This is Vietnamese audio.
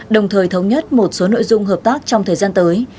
đồng thời thống nhất một số nội dung hợp tác trong thời gian tới